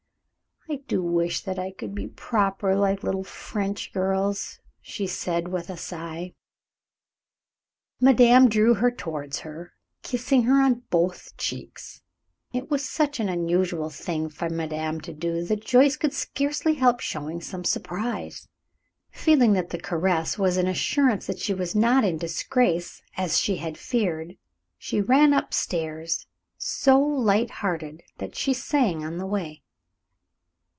"I do wish that I could be proper like little French girls," she said, with a sigh. Madame drew her towards her, kissing her on both cheeks. It was such an unusual thing for madame to do that Joyce could scarcely help showing some surprise. Feeling that the caress was an assurance that she was not in disgrace, as she had feared, she ran up stairs, so light hearted that she sang on the way.